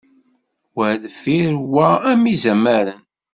Wa deffir wa am izamaren.